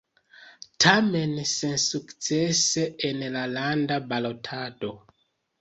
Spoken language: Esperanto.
Tamen sensukcese en la landa balotado.